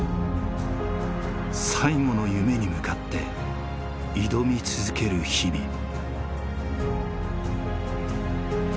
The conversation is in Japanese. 最後の夢に向かって挑み続ける日々。